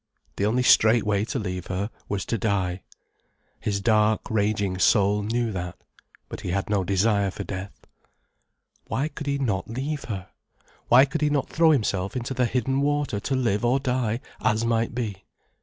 The only straight way to leave her was to die. His dark, raging soul knew that. But he had no desire for death. Why could he not leave her? Why could he not throw himself into the hidden water to live or die, as might be?